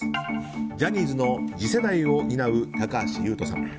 ジャニーズの次世代を担う高橋優斗さん。